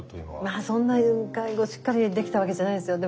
まあそんなに介護しっかりできたわけじゃないですよ。